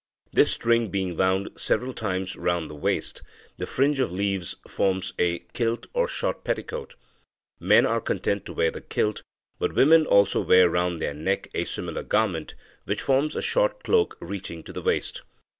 This string being wound several times round the waist, the fringe of leaves forms a kilt or short petticoat. Men are content to wear the kilt, but women also wear round their neck a similar garment, which forms a short cloak reaching to the waist.